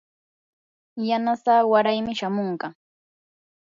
yanasaa waraymi shamunqa.